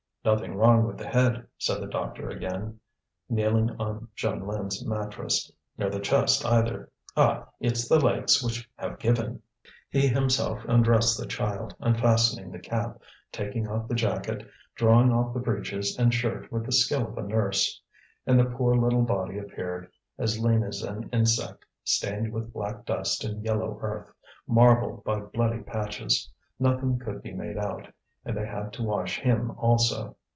"Nothing wrong with the head," said the doctor again, kneeling on Jeanlin's mattress. "Nor the chest either. Ah! it's the legs which have given." He himself undressed the child, unfastening the cap, taking off the jacket, drawing off the breeches and shirt with the skill of a nurse. And the poor little body appeared, as lean as an insect, stained with black dust and yellow earth, marbled by bloody patches. Nothing could be made out, and they had to wash him also.